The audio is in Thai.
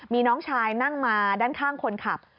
มีน้องชายนั่งมาด้านข้างคนขับ